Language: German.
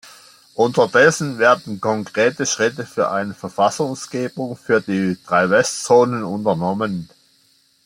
Unterdessen werden konkrete Schritte für eine Verfassungsgebung für die drei Westzonen unternommen.